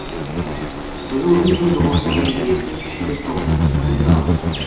Быйыл биз эң жогорку деңгээлде үч ирет жолугуштук, — деди ал.